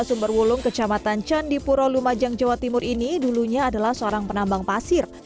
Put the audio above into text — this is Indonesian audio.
sumberwulung kecamatan candipuro lumajang jawa timur ini dulunya adalah seorang penambang pasir